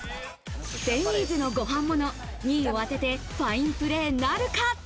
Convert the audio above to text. デニーズのご飯もの、２位を当ててファインプレーなるか？